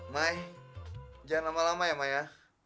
mai jangan lama lama ya mai ya